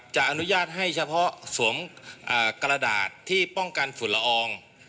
อนุญาตให้เฉพาะสวมกระดาษที่ป้องกันฝุ่นละออง